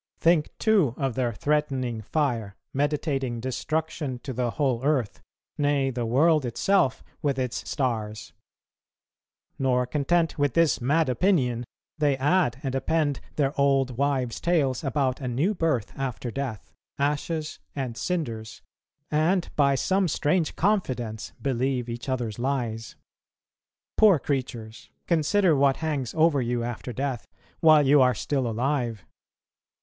Think too of their threatening fire, meditating destruction to the whole earth, nay the world itself with its stars! ... Nor content with this mad opinion, they add and append their old wives' tales about a new birth after death, ashes and cinders, and by some strange confidence believe each other's lies. Poor creatures! consider what hangs over you after death, while you are still alive.